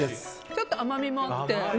ちょっと甘みもあって。